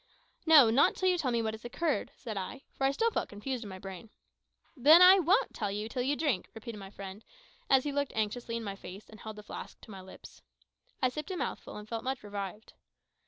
"No, not until you tell me what has occurred," said I, for I still felt confused in my brain. "Then I won't tell you a word until you drink," repeated my friend, as he looked anxiously in my face and held the flask to my lips. I sipped a mouthful, and felt much revived.